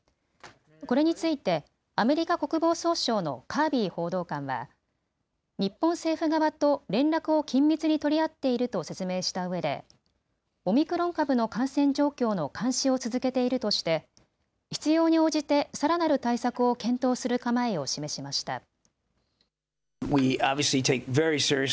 これについてアメリカ国防総省のカービー報道官は日本政府側と連絡を緊密に取り合っていると説明したうえでオミクロン株の感染状況の監視を続けているとして必要に応じてさらなる対策を検討する構えを示しました。